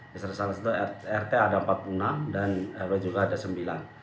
di sana sana itu rt ada empat puluh enam dan rtrw juga ada sembilan